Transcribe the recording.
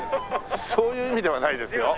そういう意味ではないですよ。